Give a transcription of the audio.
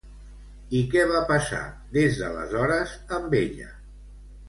I què va passar, des d'aleshores, amb ella?